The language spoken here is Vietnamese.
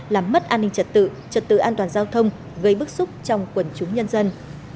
làm mất an ninh trật tự trật tự an toàn giao thông gây bức xúc trong quần chúng nhân dân